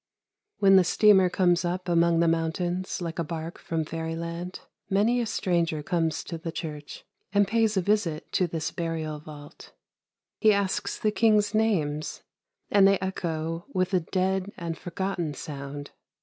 " When the steamer comes up among the mountains like a bark from fairyland, many a stranger comes to the church and pays a visit to this burial vault. He asks the kings' names, and they echo with a dead and forgotten sound.